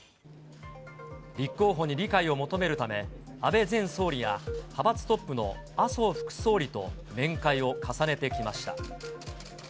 立候補に理解を求めるため、安倍前総理や派閥トップの麻生副総理と面会を重ねてきました。